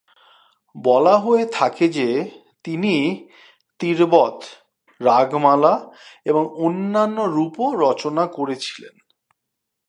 বলা হয়ে থাকে যে, তিনি "তীরবত", "রাগমালা" এবং অন্যান্য রূপও রচনা করেছিলেন।